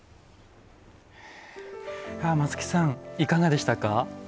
松木さん、いかがでしたか。